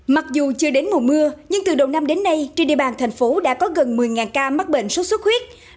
mặc dù chưa đến mùa mưa nhưng từ đầu năm đến nay trên địa bàn thành phố đã có gần một mươi ca mắc bệnh sốt xuất huyết